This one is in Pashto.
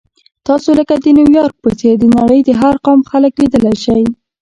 تاسو لکه د نیویارک په څېر د نړۍ د هر قوم خلک لیدلی شئ.